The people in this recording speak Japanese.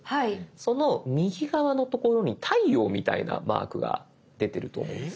その右側のところに太陽みたいなマークが出てると思います。